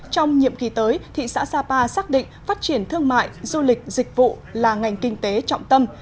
trong nhiệm kỳ tới thị xã sapa xác định phát triển thương mại du lịch dịch vụ là ngành kinh tế trọng tâm